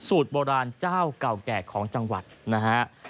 โบราณเจ้าเก่าแก่ของจังหวัดนะฮะ